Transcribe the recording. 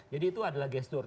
jadi itu adalah gesture